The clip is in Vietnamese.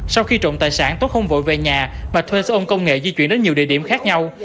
sau khi trộm tài sản tuấn không vội về nhà mà thuê xe ôn công nghệ di chuyển đến nhiều địa điểm khác nhau